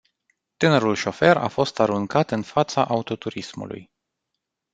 Tânărul șofer a fost aruncat în fața autoturismului.